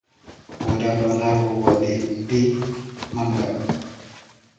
Morava na rua de D. Manoel.